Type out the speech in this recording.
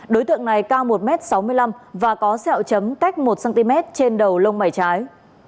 đối tượng này cao một m sáu mươi năm và có sẹo chấm cách một cm trên đầu lông mảy trái